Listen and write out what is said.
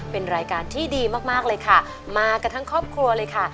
เป็นรายการที่ดีมากมากเลยค่ะมากันทั้งครอบครัวเลยค่ะ